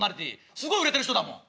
すごい売れてる人だもん。